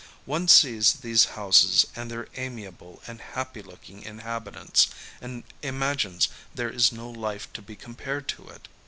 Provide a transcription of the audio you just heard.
One sees these houses and their amiable and happy looking inhabitants, and imagines there is no life to be compared to it.